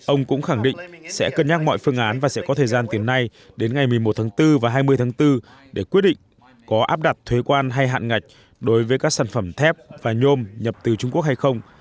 ông cũng khẳng định sẽ cân nhắc mọi phương án và sẽ có thời gian từ nay đến ngày một mươi một tháng bốn và hai mươi tháng bốn để quyết định có áp đặt thuế quan hay hạn ngạch đối với các sản phẩm thép và nhôm nhập từ trung quốc hay không